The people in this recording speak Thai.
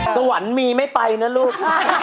สวรรค์มีไม่ไปนะลูก